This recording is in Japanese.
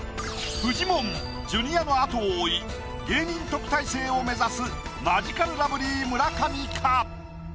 フジモンジュニアのあとを追い芸人特待生を目指すマヂカルラブリー村上か？